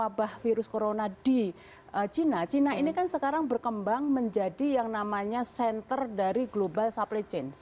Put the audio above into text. karena wabah virus corona di china china ini kan sekarang berkembang menjadi yang namanya center dari global supply chain